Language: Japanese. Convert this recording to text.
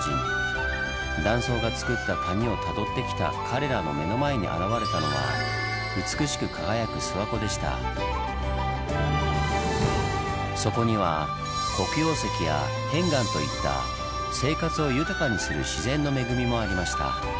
断層がつくった谷をたどってきた彼らの目の前に現れたのはそこには黒曜石や片岩といった生活を豊かにする自然の恵みもありました。